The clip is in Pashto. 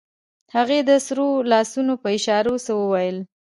هغې د سرو لاسونو په اشارو څه وويل.